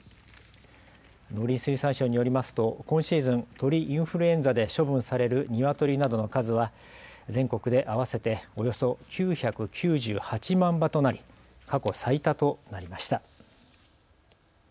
農林水産省によりますと今シーズン、鳥インフルエンザで処分されるニワトリなどの数は全国で合わせておよそ９９８万羽となり過去最多となりました。